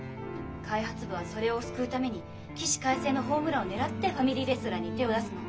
開発部はそれを救うために起死回生のホームランを狙ってファミリーレストランに手を出すの。